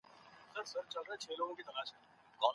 عدالت د سولې اساس دی.